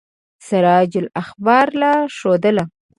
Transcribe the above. سراج الاخبار لاره ښودله.